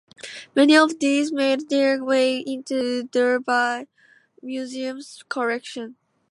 Many of these made their way into Derby Museum's collection.